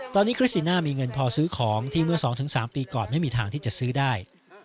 ตอนนี้คริสติน่ามีเงินพอซื้อของที่เมื่อ๒๓ปีก่อนไม่มีทางที่จะซื้อได้